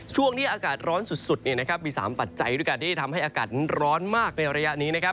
ช่วงที่อากาศร้อนสุดมี๓ปัจจัยด้วยกันที่ทำให้อากาศนั้นร้อนมากในระยะนี้นะครับ